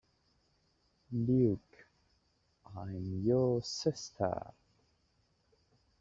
Luke, I am your sister!